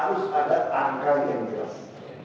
harus ada angka yang jelas